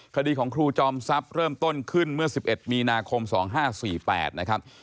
คดีของครูจอมทรัพย์เริ่มต้นขึ้นเมื่อ๑๑มีนาคม๒๕๔๘นะครับ